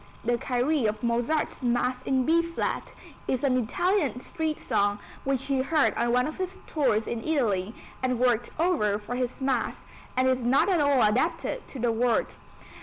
The Kyrie of Mozart's Mass in B flat is an Italian street song which he heard on one of his tours in Italy and worked over for this Mass, and is not at all adapted to the words.